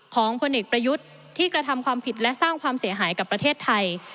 พลเอกประยุทธ์ที่กระทำความผิดและสร้างความเสียหายกับประเทศไทย